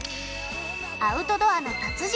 アウトドアの達人